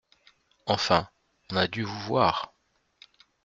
Enfin, on a dû vous voir !